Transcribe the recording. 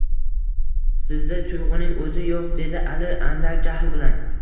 Sizda tuyg`uning o`zi yo`q, dedi Ali andak jahl bilan